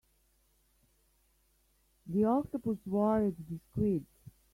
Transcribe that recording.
The octopus worried the squid.